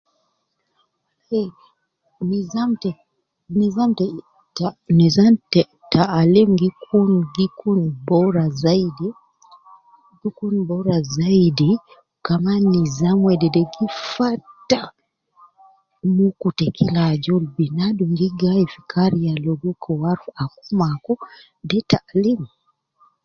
Nidham ta, nidham ttte taalim gikun bora zayidi, gi kun bora zayidi, dukur kaman, nidham wedede gi fatta muku ta kila ajol, binadum gi gayi fi kariya logo uwo arufu aku ma aku, de ya ilim.